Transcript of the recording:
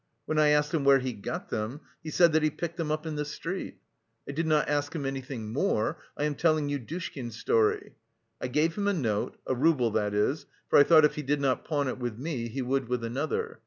When I asked him where he got them, he said that he picked them up in the street. I did not ask him anything more.' I am telling you Dushkin's story. 'I gave him a note' a rouble that is 'for I thought if he did not pawn it with me he would with another.